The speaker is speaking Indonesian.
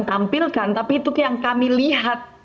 tampilkan tapi itu yang kami lihat